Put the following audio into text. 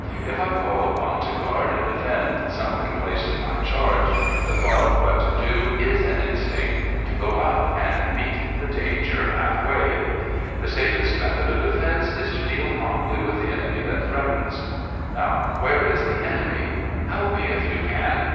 If I'm called upon to guard and defend something placed in my charge, the thought of what to do is an instinct—to go out and meet the danger half way. The safest method of defence is to deal promptly with the enemy that threatens. Now, where is the enemy? Help me if you can.